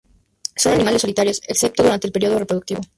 Son animales solitarios, excepto durante el período reproductivo.